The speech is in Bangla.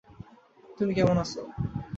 কুমি কেমন আছে?